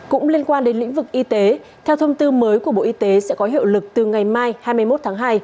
cũng liên quan đến lĩnh vực y tế theo thông tư mới của bộ y tế sẽ có hiệu lực từ ngày mai hai mươi một tháng hai